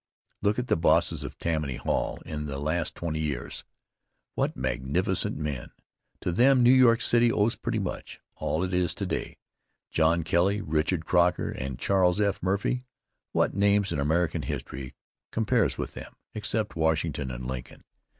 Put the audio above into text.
Look at the bosses of Tammany Hall in the last twenty years. What magnificent men! To them New York City owes pretty much all it is today. John Kelly, Richard Croker, and Charles F. Murphy what names in American history compares with them, except Washington and Lincoln?